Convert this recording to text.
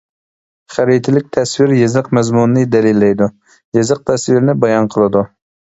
خەرىتىلىك تەسۋىر يېزىق مەزمۇنىنى دەلىللەيدۇ، يېزىق تەسۋىرنى بايان قىلىدۇ.